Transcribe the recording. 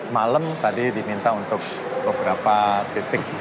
malam tadi diminta untuk beberapa titik